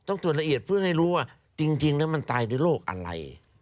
ตรวจละเอียดเพื่อให้รู้ว่าจริงแล้วมันตายด้วยโรคอะไร